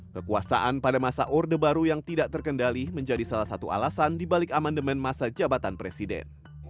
kekuasaan pada masa orde baru yang tidak terkendali menjadi salah satu alasan dibalik amendement masa jabatan presiden